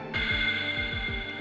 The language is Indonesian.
ada sesuatu yang riki sembunyikan